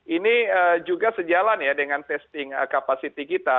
ini juga sejalan ya dengan testing capacity kita